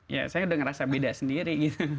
ya saya sudah merasa beda sendiri